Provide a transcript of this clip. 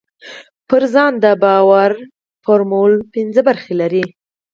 پر ځان د باور فورمول پينځه برخې لري.